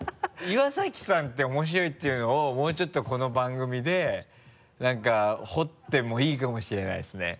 岩崎さんって面白いっていうのをもうちょっとこの番組で何か掘ってもいいかもしれないですね。